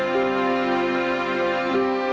วันนี้ขอบคุณทั้ง๔ท่านและคุณท่าน